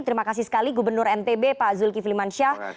terima kasih sekali gubernur ntb pak zulkifliman syah